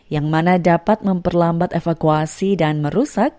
yang mana dapat memperlambat evakuasi dan merusak